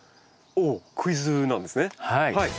おおクイズなんですねはい。